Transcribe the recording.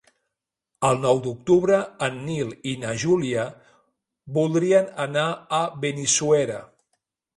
El nou d'octubre en Nil i na Júlia voldrien anar a Benissuera.